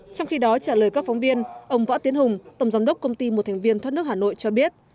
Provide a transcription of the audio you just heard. trong khi đó trả lời các phóng viên ông võ tiến hùng tổng giám đốc công ty một thành viên thoát nước hà nội cho biết